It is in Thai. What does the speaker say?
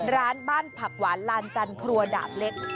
ร้านบ้านผักหวานลานจันครัวดาบเล็ก